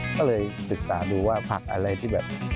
ก็เลยศึกษาดูว่าผักอะไรที่แบบ